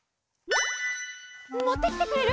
もってきてくれる？